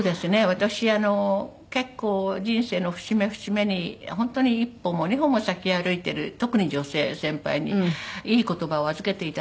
私結構人生の節目節目に本当に一歩も二歩も先へ歩いてる特に女性先輩にいい言葉を預けていただくんですね